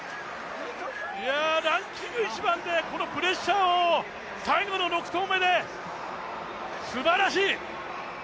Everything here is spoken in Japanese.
いや、ランキング１番でこのプレッシャーを最後の６投目で、すばらしい。